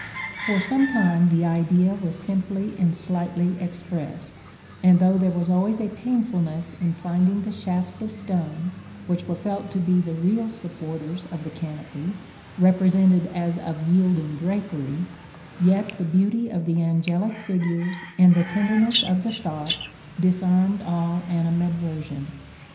For some time the idea was simply and slightly expressed, and though there was always a painfulness in finding the shafts of stone, which were felt to be the real supporters of the canopy, represented as of yielding drapery, yet the beauty of the angelic figures, and the tenderness of the thought, disarmed all animadversion.